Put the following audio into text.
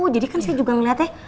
jadi kan saya juga ngeliatnya